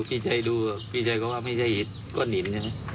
ฟิจารณ์เขาก็ไม่ใช่หิดก็หนิ้น